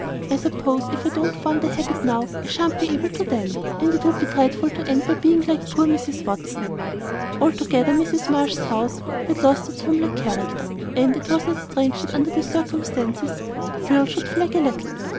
"I suppose if I don't form the habit now, I sha'n't be able to then, and it would be dreadful to end by being like poor Mrs. Watson." Altogether, Mrs. Marsh's house had lost its homelike character; and it was not strange that under the circumstances Phil should flag a little.